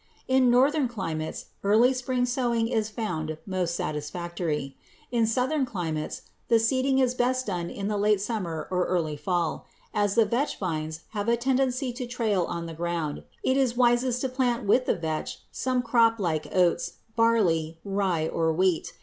In northern climates early spring sowing is found most satisfactory. In southern climates the seeding is best done in the late summer or early fall. As the vetch vines have a tendency to trail on the ground, it is wisest to plant with the vetch some crop like oats, barley, rye, or wheat.